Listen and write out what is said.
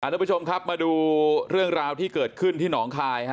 ทุกผู้ชมครับมาดูเรื่องราวที่เกิดขึ้นที่หนองคาย